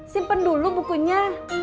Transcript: simpen dulu bukunya